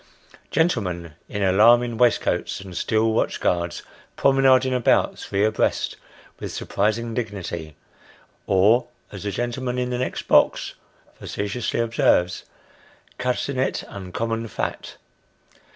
Gentlemen, in alarming waistcoats, and steel watch guards, promenading about, three abreast, with surprising dignity (or as the gentleman in the next box facetiously observes, " cutting it uncommon fat